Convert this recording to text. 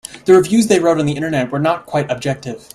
The reviews they wrote on the Internet were not quite objective.